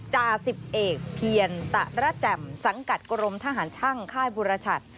จ่าสิบเอกเพียรตะระแจ่มสังกัดกรมทหารช่างค่ายบุรชัด